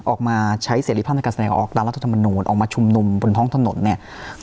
ออกมาใช้เสร็จภาพในการแสดงออกตามรัฐธรรมนูลออกมาชุมนุมบนท้องถนนเนี่ย